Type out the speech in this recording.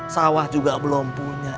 sawah juga belum punya